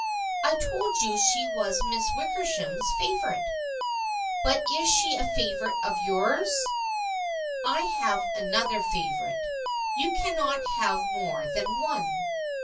I told you she was Miss Wickersham's favorite." " But is she a favorite of yours ?"" I have another favorite. You cannot have more than one."